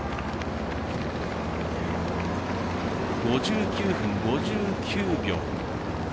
５９分５９秒。